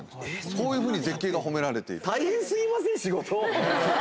こういうふうに絶景が褒められて。